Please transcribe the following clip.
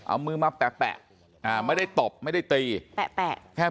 เอามือมาแปะแปะอ่าไม่ได้ตบไม่ได้ตีแปะแปะแค่